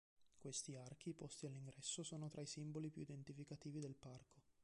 Questi archi posti all'ingresso sono tra i simboli più identificativi del parco.